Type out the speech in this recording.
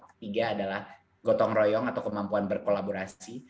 ketiga adalah gotong royong atau kemampuan berkolaborasi